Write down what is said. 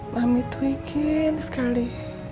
mami tuh ingin sekali